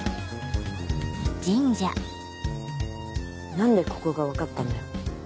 何でここが分かったんだよ。